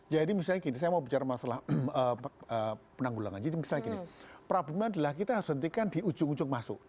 jadi misalnya gini saya mau bicara masalah penanggulangan jadi misalnya gini problem adalah kita harus hentikan di ujung ujung masuk